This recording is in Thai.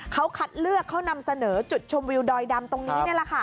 เขาคัดเลือกเขานำเสนอจุดชมวิวดอยดำตรงนี้นี่แหละค่ะ